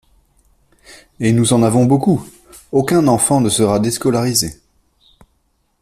Et nous en avons beaucoup ! Aucun enfant ne sera déscolarisé.